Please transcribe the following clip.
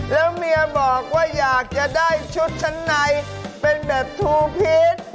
แล้วเมียบอกว่าอยากจะได้ชุดชั้นในเป็นแบบทูพีช